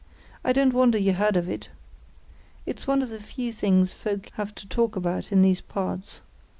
"I don't wonder you heard of it. It's one of the few things folk have to talk about in these parts.